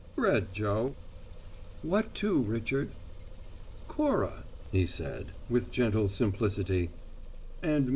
Bread, Joe." "What two, Richard?" "Cora," he said, with gentle simplicity, "and me."